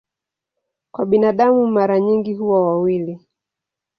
Kwa binadamu mara nyingi huwa wawili.